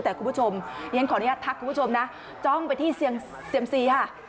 แต่คุณผู้ชมยังขออนุญาตทักคุณผู้ชมนะจ้องไปที่เซียมซีค่ะ